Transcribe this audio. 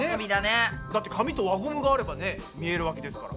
だって紙と輪ゴムがあればね見えるわけですから。